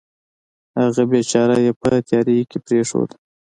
هغه بېچاره یې په تیارې کې پرېښود.